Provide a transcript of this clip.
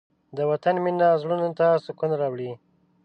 د وطن مینه زړونو ته سکون راوړي.